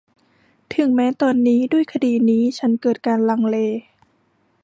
ถึงแม้ตอนนี้ ด้วยคดีนี้ ฉันเกิดการลังเล